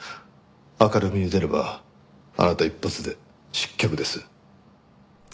明るみに出ればあなた一発で失脚です。